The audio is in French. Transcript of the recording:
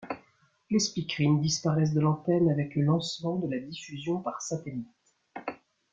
Les speakerines disparaissent de l'antenne avec le lancement de la diffusion par satellite.